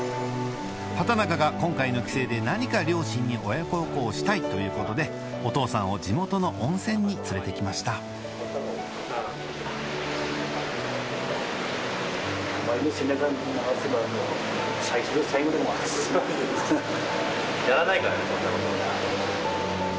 畠中が今回の帰省で何か両親に親孝行したいということでお父さんを地元の温泉に連れてきましたやらないからねこんなこと普段。